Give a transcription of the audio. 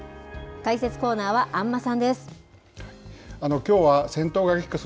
解説コーナーは安間さんです。